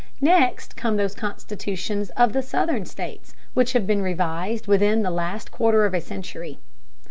Next come those constitutions of the southern states which have been revised within the last quarter of a century.